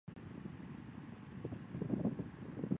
智合仓活佛系统追认的第一世活佛为三罗喇嘛。